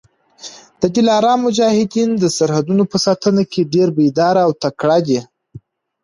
د دلارام مجاهدین د سرحدونو په ساتنه کي ډېر بېداره او تکړه دي.